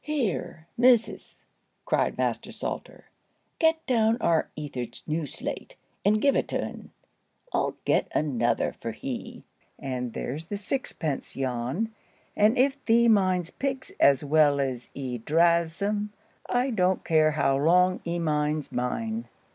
"Here, missus," cried Master Salter; "get down our Etherd's new slate, and give it to un; I'll get another for he. And there's the sixpence, Jan; and if thee minds pigs as well as 'ee draas 'em, I don't care how long 'ee minds mine."